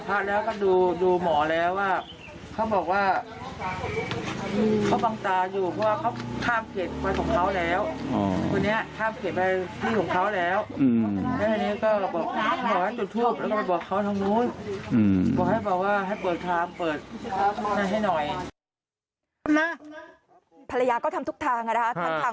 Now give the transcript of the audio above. ภรรยาก็ทำทุกทางนะคะ